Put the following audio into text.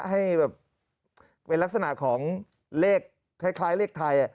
ให้แบบเป็นลักษณะของเลขคล้ายเลขไทย